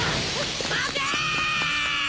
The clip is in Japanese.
待て！